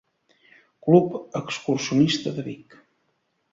Club excursionista de Vic.